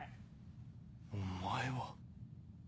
お前は。